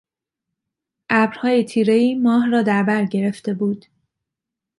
ابرهای تیرهای ماه را دربر گرفته بود